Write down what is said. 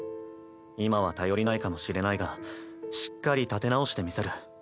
今は頼りないかもしれないがしっかり立て直してみせる。